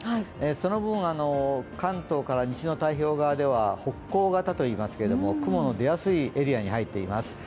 その分、関東から西の太平洋側には北高型といいますけれども雲の出やすいエリアに入ってます。